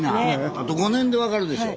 あと５年でわかるでしょう。